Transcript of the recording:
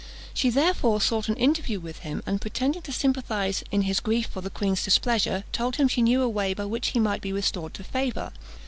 She therefore sought an interview with him, and pretending to sympathise in his grief for the queen's displeasure, told him she knew a way by which he might be restored to favour.